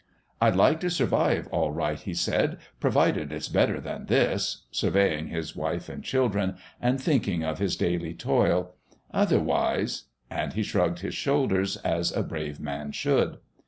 "I'd like to survive all right," he said, "provided it's better than this," surveying his wife and children, and thinking of his daily toil. "Otherwise !" and he shrugged his shoulders as a brave man should.